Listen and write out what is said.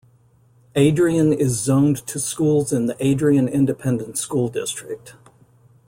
Adrian is zoned to schools in the Adrian Independent School District.